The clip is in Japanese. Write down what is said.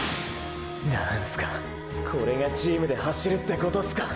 何すかこれがチームで走るってことすか！！